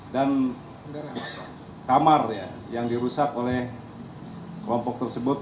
dan kamar ya yang dirusak oleh kelompok tersebut